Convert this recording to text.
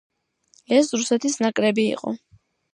ეს რუსეთის ნაკრები იყო.